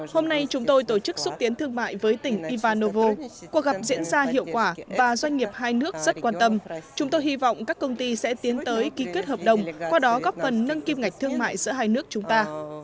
hôm nay chúng tôi tổ chức xúc tiến thương mại với tỉnh ivanovo cuộc gặp diễn ra hiệu quả và doanh nghiệp hai nước rất quan tâm chúng tôi hy vọng các công ty sẽ tiến tới ký kết hợp đồng qua đó góp phần nâng kim ngạch thương mại giữa hai nước chúng ta